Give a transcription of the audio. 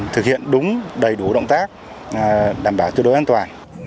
thực hiện đúng đầy đủ động tác đảm bảo tiêu đối an toàn